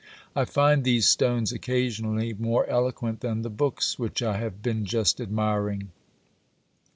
I find these stones occasionally more elo quent than the books which I have been just admiring.